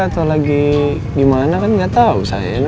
atau lagi gimana kan gak tau sayang